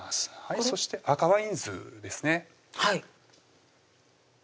そして赤ワイン酢ですね